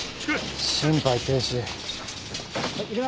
心肺停止。